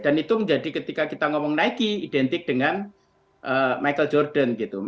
dan itu menjadi ketika kita ngomong nike identik dengan michael jordan gitu